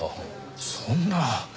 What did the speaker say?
そんな。